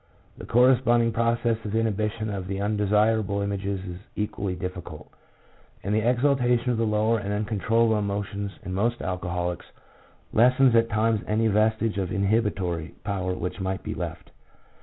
The corresponding process of inhibition of the undesirable images is equally difficult, and the exaltation of the lower and uncontrollable emotions in most alcoholics, lessens at times any vestige of inhibitory power which might be left.